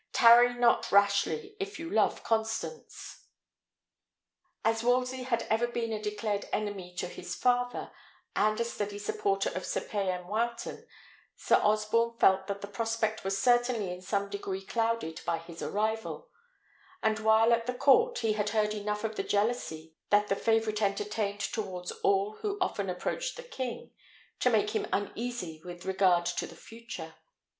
Tarry not rashly, if you love Constance. As Wolsey had ever been a declared enemy to his father, and a steady supporter of Sir Payan Wileton, Sir Osborne felt that the prospect was certainly in some degree clouded by his arrival; and while at the court, he had heard enough of the jealousy that the favourite entertained towards all who often approached the king, to make him uneasy with regard to the future.